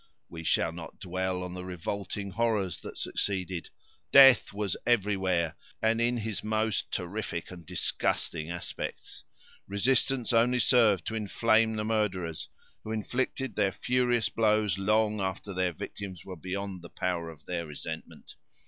We shall not dwell on the revolting horrors that succeeded. Death was everywhere, and in his most terrific and disgusting aspects. Resistance only served to inflame the murderers, who inflicted their furious blows long after their victims were beyond the power of their resentment.